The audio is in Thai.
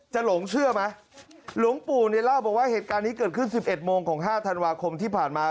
หลงเชื่อไหมหลวงปู่เนี่ยเล่าบอกว่าเหตุการณ์นี้เกิดขึ้น๑๑โมงของ๕ธันวาคมที่ผ่านมา